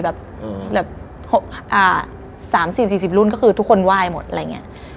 แบบ๓๐๔๐รุ่นก็คือทุกคนไหว้หมดอะไรอย่างนี้